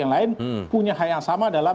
yang lain punya hal yang sama dalam